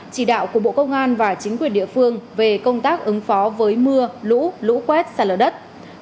chỉ đạo của bộ công an và chính quyền địa phương về công tác ứng phó với mưa lũ lũ quét xa lở đất